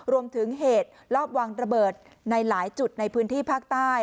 รวมถึงเหตุรอบวางระเบิดในหลายจุดในพื้นที่ภาคใต้